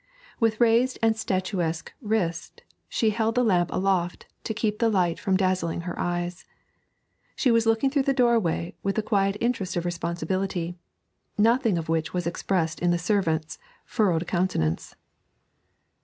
With raised and statuesque wrist she held the lamp aloft to keep the light from dazzling her eyes. She was looking through the doorway with the quiet interest of responsibility, nothing of which was expressed in the servant's furrowed countenance.